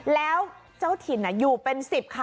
แล้วเจ้าถิ่นอยู่เป็น๑๐ค่ะ